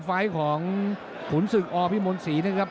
ไฟล์ของขุนศึกอพิมนศรีนะครับ